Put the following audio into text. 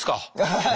はい。